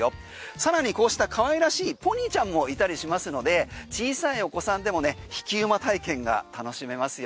さらにこうしたかわいらしいポニーちゃんもいたりしますので小さいお子さんでもね引き馬体験が楽しめますよ。